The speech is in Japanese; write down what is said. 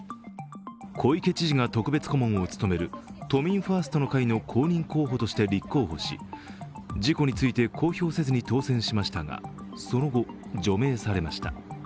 小池知事が特別顧問を務める都民ファーストの会の公認候補として立候補し、事故について公表せずに当選しましたがその後、除名されました。